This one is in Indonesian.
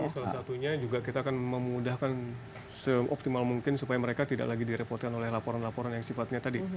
salah satunya juga kita akan memudahkan seoptimal mungkin supaya mereka tidak lagi direpotkan oleh laporan laporan yang sifatnya tadi